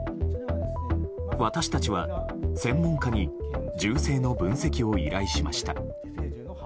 私たちは専門家に銃声の分析を依頼しました。